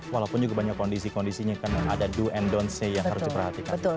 walaupun juga banyak kondisi kondisinya karena ada do and don'ts yang harus diperhatikan